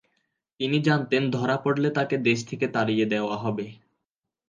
তিনি জানতেন ধরা পড়লে তাকে দেশ থেকে তাড়িয়ে দেয়া হবে।